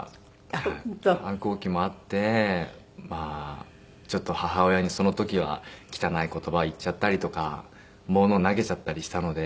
反抗期もあってまあちょっと母親にその時は汚い言葉言っちゃったりとか物を投げちゃったりしたので。